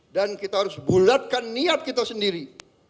dan kita harus bulatkan niat kita sendiri